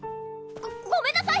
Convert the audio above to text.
ごごめんなさい！